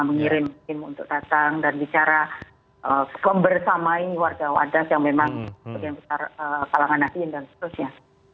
mengirim mungkin untuk datang dan bicara bersama warga wadah yang memang kalangan hafiin dan seterusnya